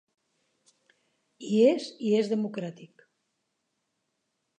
Hi és i és democràtic.